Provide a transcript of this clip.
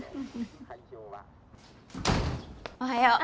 おはよう。